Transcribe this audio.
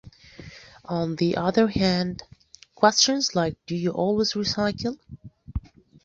On the other hand, questions like Do you always recycle?